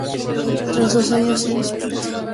Tras dos años sin disputarse retornó la tercera categoría.